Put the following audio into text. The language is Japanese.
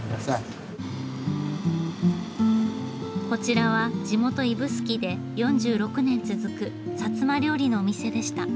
こちらは地元指宿で４６年続く摩料理のお店でした。